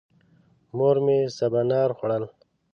مور مې سبانار خوړل.